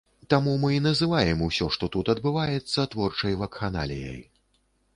Таму мы і называем усё, што тут адбываецца творчай вакханаліяй.